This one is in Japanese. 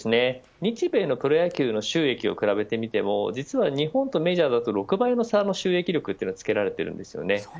日米のプロ野球の収益を比べてみても実は日本とメジャーだと６倍の差の収益力がつけられています。